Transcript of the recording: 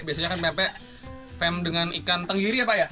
biasanya kan empe empe fem dengan ikan tenggiri ya pak ya